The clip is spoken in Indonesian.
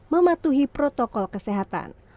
mematuhi protokol kesehatan